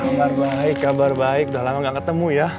kabar baik kabar baik udah lama gak ketemu ya